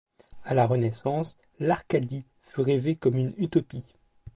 À la Renaissance, l'Arcadie fut rêvée comme une utopie.